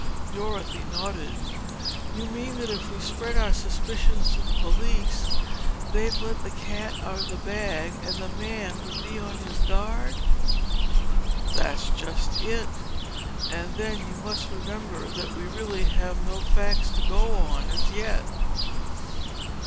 Dorothy nodded. "You mean that if we spread our suspicions to the police, they'd let the cat out of the bag and the man would be on his guard?" "That's just it. And then you must remember that we really have no facts to go on as yet."